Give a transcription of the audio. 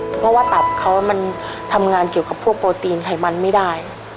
เพราะว่าตับเขามันทำงานเกี่ยวกับพวกโปรตีนไขมันไม่ได้